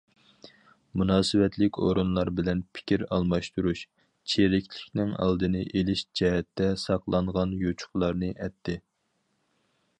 مۇناسىۋەتلىك ئورۇنلار بىلەن پىكىر ئالماشتۇرۇش چىرىكلىكنىڭ ئالدىنى ئېلىش جەھەتتە ساقلانغان يوچۇقلارنى ئەتتى.